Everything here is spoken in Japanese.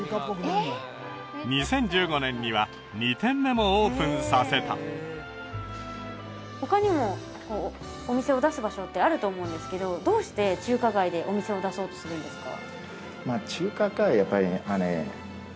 ２０１５年には２店目もオープンさせた他にもお店を出す場所ってあると思うんですけどどうして中華街でお店を出そうとするんですか？